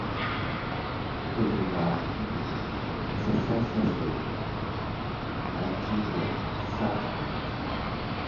The Hiraab Imamate was the successor state of the Ajuran Sultanate.